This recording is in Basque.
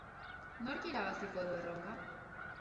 Nork irabaziko du erronka?